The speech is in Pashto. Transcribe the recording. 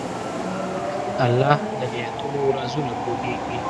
الله د نیتونو رازونه پوهېږي.